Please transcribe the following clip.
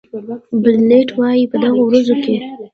بلنټ وایي په دغه ورځو کې.